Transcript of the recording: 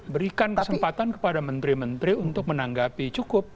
berikan kesempatan kepada menteri menteri untuk menanggapi cukup